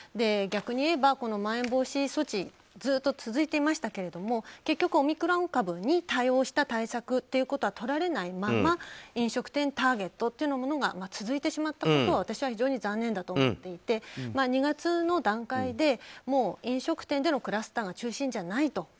逆に言えば、まん延防止措置ずっと続いていましたが結局、オミクロン株に対応した対策ということはとられないまま飲食店ターゲットというものが続いてしまったことは私は非常に残念だと思っていて２月の段階でもう飲食店でのクラスターが中心じゃないと。